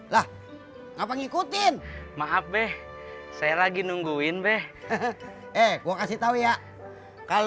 lah ngapain ngikutin maaf deh saya lagi nungguin deh eh gue kasih tau ya kalau